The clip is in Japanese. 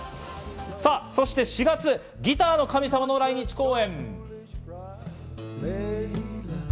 そして４月、ギターの神様の来日公演。